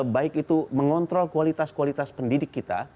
baik itu mengontrol kualitas kualitas pendidik kita